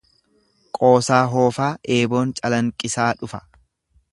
Qoosaa hoofaa eeboon calanqisaa dhufa.